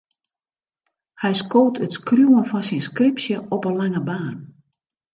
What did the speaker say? Hy skoot it skriuwen fan syn skripsje op 'e lange baan.